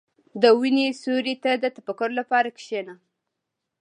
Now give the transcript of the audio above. • د ونې سیوري ته د تفکر لپاره کښېنه.